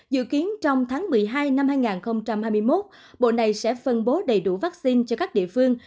dự kiến trong tháng một mươi hai năm hai nghìn hai mươi một bộ này sẽ phân bố đầy đủ vaccine cho các địa phương